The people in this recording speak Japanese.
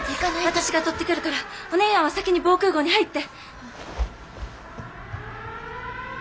私が取ってくるからお姉やんは先に防空壕に入って！